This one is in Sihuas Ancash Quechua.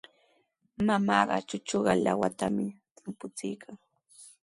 Mamaaqa chuchuqa lawatami timpuchiykan.